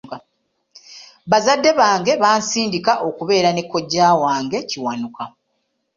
Bazadde bange bansindika okubeera ne kojja wange Kiwanuka.